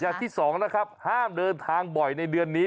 อย่างที่สองนะครับห้ามเดินทางบ่อยในเดือนนี้